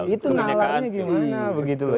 itu nyalahnya gimana begitu